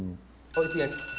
oh itu ya